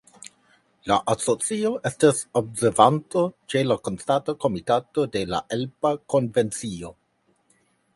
La asocio estas observanto ĉe la Konstanta Komitato de la Alpa Konvencio.